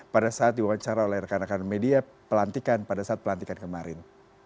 pada saat diwawancara oleh rekan rekan media pelantikan pada saat pelantikan kemarin